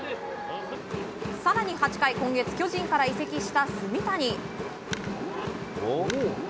更に８回今月、巨人から移籍した炭谷。